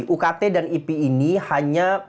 ukt dan ipi ini hanya